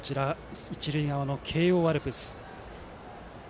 一塁側の慶応アルプス。